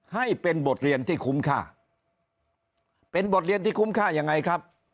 ให้เป็นบทเรียนที่คุ้มค่าเป็นบทเรียนที่คุ้มค่ายังไงครับ